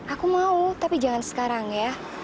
aku mau tapi jangan sekarang ya